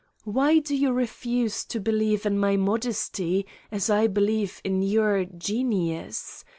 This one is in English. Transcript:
Why do you refuse to believe in my modesty, as I believe in your ... genius.